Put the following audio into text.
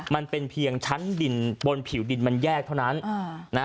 มันเป็นเพียงชั้นดินบนผิวดินมันแยกเท่านั้น